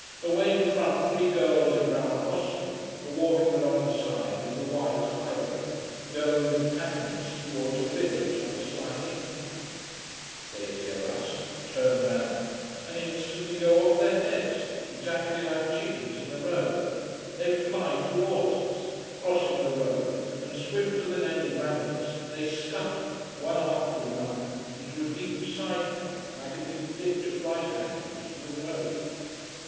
Away in front three girls in brown costume are walking along the side of the white high road, going with panniers towards a village up a slight incline. They hear us, turn round, and instantly go off their heads, exactly like chickens in the road. They fly towards us, crossing the road, and swifter than any rabbits they scuttle, one after another, into a deep side track, like a deep ditch at right angles to the road.